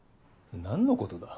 何のことだ？